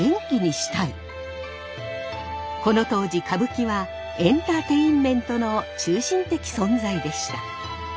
この当時歌舞伎はエンターテインメントの中心的存在でした。